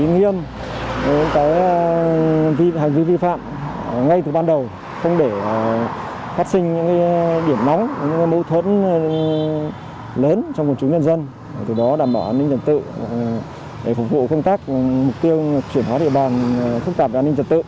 nóng mâu thuẫn lớn trong quần chúng nhân dân từ đó đảm bảo an ninh trật tự để phục vụ công tác mục tiêu chuyển hóa địa bàn phức tạp về an ninh trật tự